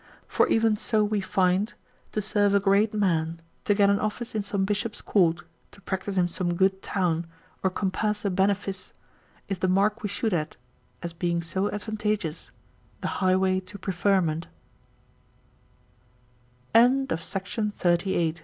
For even so we find, to serve a great man, to get an office in some bishop's court (to practise in some good town) or compass a benefice, is the mark we shoot at, as being so advantageous, the highway to p